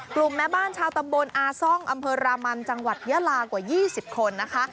แม่บ้านชาวตำบลอาซ่องอำเภอรามันจังหวัดยาลากว่า๒๐คนนะคะ